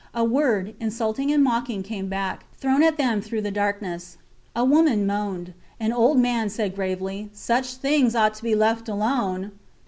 A word, insulting and mocking, came back, thrown at them through the darkness. A woman moaned. An old man said gravely: Such things ought to be left alone.